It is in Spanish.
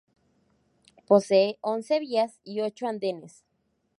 Posee once vías y ocho andenes.